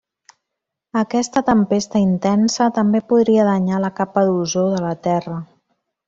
Aquesta tempesta intensa també podria danyar la capa d'ozó de la Terra.